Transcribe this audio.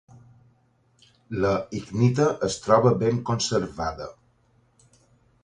La icnita es troba ben conservada.